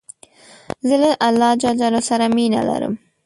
زه له الله ج سره مینه لرم.